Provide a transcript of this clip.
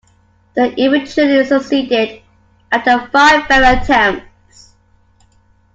They eventually succeeded after five failed attempts